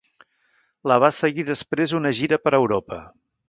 La va seguir després una gira per Europa.